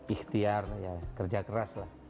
ikhtiar kerja keras lah